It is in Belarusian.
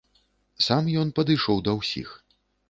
Сам ён падышоў да ўсіх.